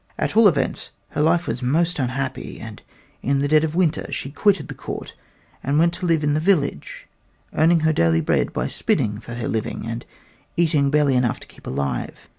At all events, her life was most unhappy, and in the dead of winter she quitted the court and went to live in the village, earning her daily bread by spinning for her living, and eating barely enough to keep alive.